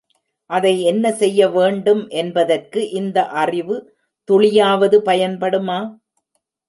அதை என்ன செய்யவேண்டும் என்பதற்கு இந்த அறிவு துளியாவது பயன்படுமா?